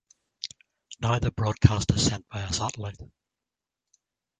Now the broadcast is sent via satellite.